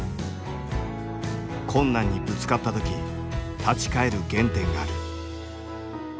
困難にぶつかった時立ち返る原点がある。